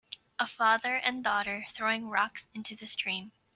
A father and daughter throwing rocks into the stream.